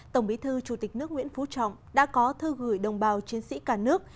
tổng bí thư chủ tịch nước nguyễn phú trọng đã có thư gửi đồng bào chiến sĩ cả nước